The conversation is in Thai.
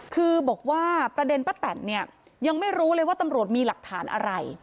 คือบอกว่าประเด็นป้าแตนเนี่ยยังไม่รู้เลยว่าตำรวจมีหลักฐานอะไร